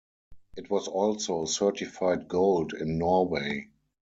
It was also certified gold in Norway.